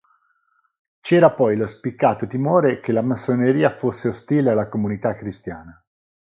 C'era poi lo spiccato timore che la massoneria fosse ostile alla comunità cristiana.